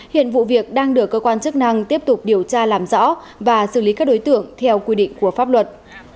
hiện vụ việc đang được cơ quan chức năng tiếp tục điều tra làm rõ và xử lý các đối tượng theo quy định của pháp luật